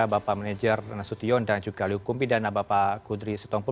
bapak manager nasution dan juga lihukum bidana bapak kudri sitongpul